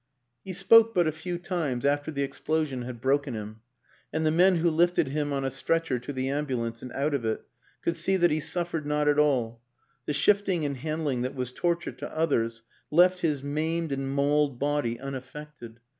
He spoke but a few times after the explosion had broken him, and the men who lifted him on a stretcher to the ambulance and out of it could see that he suffered not at all; the shifting and handling that was torture to others left his maimed and mauled body unaffected.